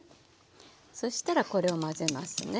そしたらこれを混ぜますね。